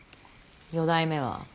四代目は。